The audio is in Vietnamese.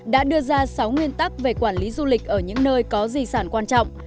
đã đưa ra sáu nguyên tắc về quản lý du lịch ở những nơi có di sản quan trọng